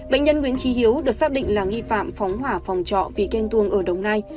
bệnh nhân nguyễn trí hiếu được xác định là nghi phạm phóng hỏa phòng trọ vì khen tuông ở đồng nai